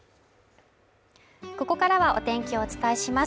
ここからはお天気をお伝えします。